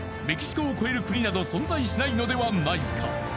メキシコを超える国など存在しないのではないか